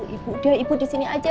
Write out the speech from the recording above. ibu dia ibu di sini aja